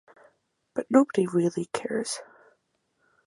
But nobody really cares.